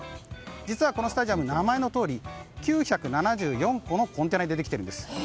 実はこのスタジアム名前のとおり９７４個のコンテナでできているんです。